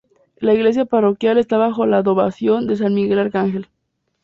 La iglesia parroquial está bajo la advocación de San Miguel Arcángel.